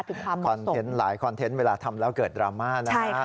ถึงความเหมาะสมใช่ค่ะหลายคอนเทนต์เวลาทำแล้วเกิดดราม่า